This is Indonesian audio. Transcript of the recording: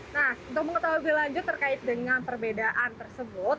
nah untuk mengetahui lebih lanjut terkait dengan perbedaan tersebut